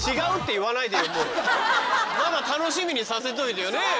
まだ楽しみにさせといてよねえ。